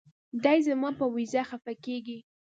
دے زما پۀ وېزه خفه کيږي